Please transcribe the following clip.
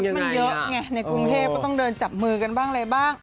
มันเยอะไงในกรุงเทพก็ต้องเดินจับมือกันบ้างอะไรบ้าง